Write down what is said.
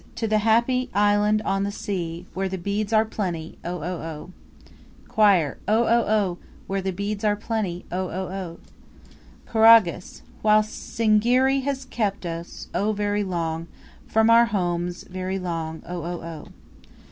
To the happy island on the sea, Where the beads are plenty, oh oh oh! Choir. Oh oh oh! where the beads are plenty, Oh oh oh! Choragus. While Singiri has kept us, oh, very long From our homes very long, oh oh oh.!